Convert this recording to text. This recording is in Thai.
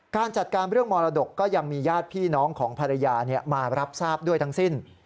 การจัดการเรื่องมรดกก็ยังมีญาติพี่น้องของภรรยามารับทราบด้วยทั้งสิ้น